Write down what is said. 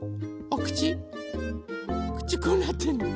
おくちこうなってんの。